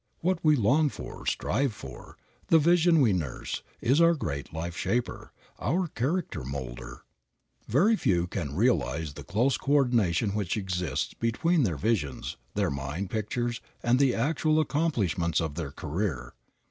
What we long for, strive for, the vision we nurse, is our great life shaper, our character molder. Very few can realize the close coördination which exists between their visions, their mind pictures, and the actual accomplishments of their career.